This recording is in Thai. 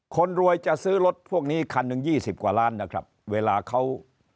คนรวยจะซื้อรถพวกนี้คันหนึ่งยี่สิบกว่าล้านนะครับเวลาเขา